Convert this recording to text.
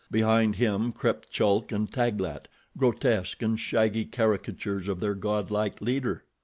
Behind him crept Chulk and Taglat, grotesque and shaggy caricatures of their godlike leader.